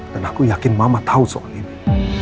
dan aku yakin mama tahu soal ini